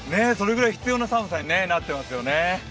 それぐらい必要な寒さになっていますよね。